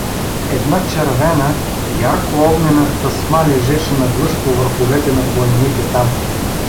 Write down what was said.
Една червена, яркоогнена тъсма лежеше надлъж по върховете на планините там.